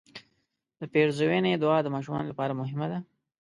د پیرزوینې دعا د ماشومانو لپاره مهمه ده.